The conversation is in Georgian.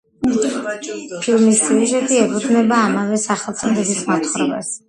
ფილმის სიუჟეტი ეფუძნება ამავე სახელწოდების მოთხრობას.